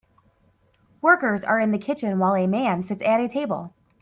Workers are in the kitchen while a man sits at a table.